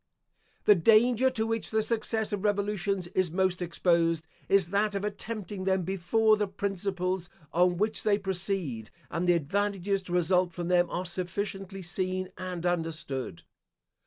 The danger to which the success of revolutions is most exposed is that of attempting them before the principles on which they proceed, and the advantages to result from them, are sufficiently seen and understood.